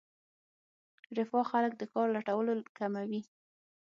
رفاه خلک د کار لټولو کموي.